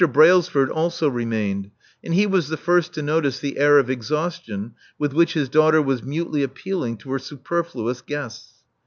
Brailsford also remained; and he was the first to notice the air of exhaustion with which his daughter was mutely appealing to her superfluous guests.